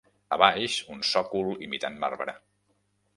A baix, un sòcol imitant marbre